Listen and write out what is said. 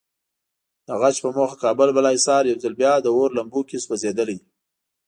د غچ په موخه کابل بالاحصار یو ځل بیا د اور لمبو کې سوځېدلی.